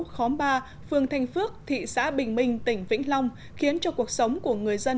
khóm ba phường thanh phước thị xã bình minh tỉnh vĩnh long khiến cho cuộc sống của người dân